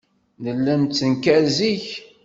Nella nettenkar zik.